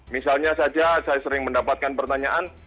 misalnya saja saya sering mendapatkan pertanyaan